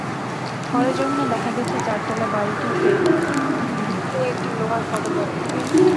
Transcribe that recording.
সরেজমিনে দেখা গেছে, চারতলা বাড়িটিতে ঢুকতে একটি লোহার ফটক ব্যবহূত হয়।